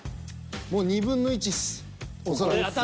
もう２分の１っす。